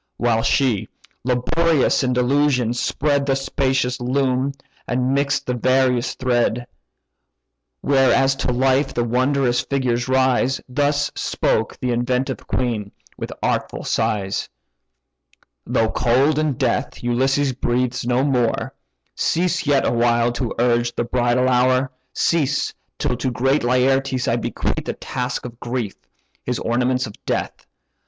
While she, laborious in delusion, spread The spacious loom, and mix'd the various thread: Where as to life the wondrous figures rise, Thus spoke the inventive queen, with artful sighs: "Though cold in death Ulysses breathes no more, Cease yet awhile to urge the bridal hour: Cease, till to great Laertes I bequeath A task of grief, his ornaments of death.